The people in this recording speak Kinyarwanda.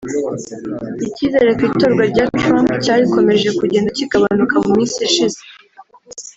Icyizere ku itorwa rya Trump cyakomeje kugenda kigabanuka mu minsi ishize